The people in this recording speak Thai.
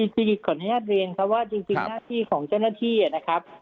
คือขออนุญาตเรียนครับว่าจริงหน้าที่ของเจ้าหน้าที่นะครับ